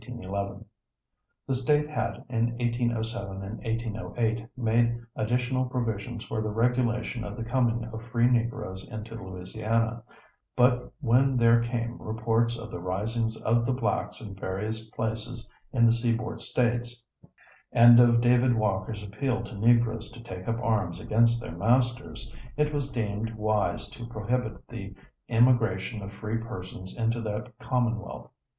The State had in 1807 and 1808 made additional provisions for the regulation of the coming of free Negroes into Louisiana, but when there came reports of the risings of the blacks in various places in the Seaboard States, and of David Walker's appeal to Negroes to take up arms against their masters, it was deemed wise to prohibit the immigration of free persons into that Commonwealth.